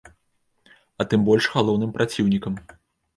А тым больш галоўным праціўнікам.